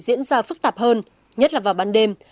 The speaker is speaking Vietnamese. diễn ra phức tạp hơn nhất là vào ban đêm